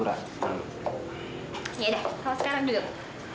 yaudah kalau sekarang duduk